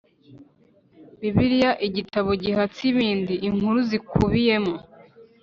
Bibiliya igitabo gihatse ibindi Inkuru zikubiyemo